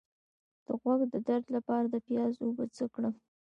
د غوږ درد لپاره د پیاز اوبه څه کړم؟